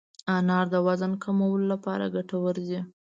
انار د وزن د کنټرول لپاره ګټور دی.